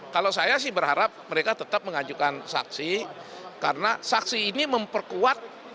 kalau saya sih berharap mereka tetap mengajukan saksi karena saksi ini memperkuat